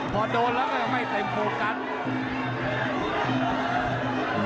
พอโดนแล้วก็ไม่เต็มโฟกัส